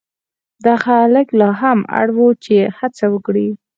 دغه هلک لا هم اړ و چې هڅه وکړي.